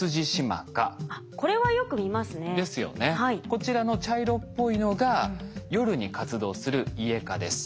こちらの茶色っぽいのが夜に活動するイエカです。